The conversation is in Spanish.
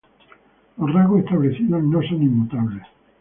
Los rasgos establecidos no son inmutables.